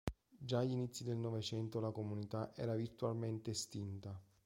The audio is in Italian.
Già agli inizi del Novecento la comunità era virtualmente estinta.